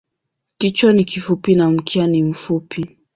Kichwa ni kifupi na mkia ni mfupi.